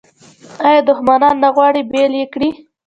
آیا دښمنان نه غواړي بیل یې کړي؟